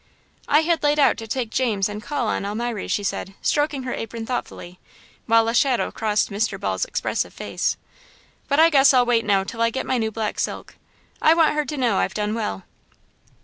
"I had laid out to take James and call on Elmiry," she said, stroking her apron thoughtfully, while a shadow crossed Mr. Ball's expressive face; "but I guess I'll wait now till I get my new black silk. I want her to know I've done well."